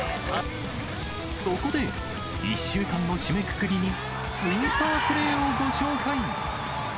そこで、１週間の締めくくりにスーパープレーをご紹介。